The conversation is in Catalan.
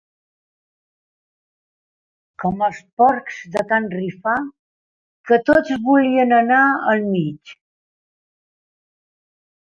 Com els porcs de can Rifà, que tots volien anar al mig.